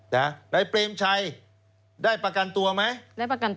นายเปรมชัยได้ประกันตัวไหม